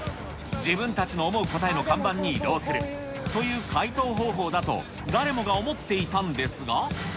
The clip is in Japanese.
自分たちの思う答えの看板に移動するという解答方法だと誰もが思っていたんですが。